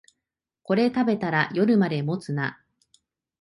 これ食べたら夜まで持つな